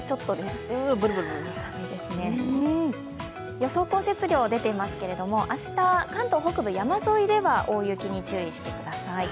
予想降雪量、出てますけど明日関東北部、山沿いでは大雪に注意してください。